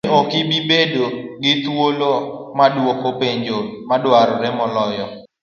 Nyalo bedo ni ok gibi bedo gi thuolo mardwoko penjo madwarore moloyo.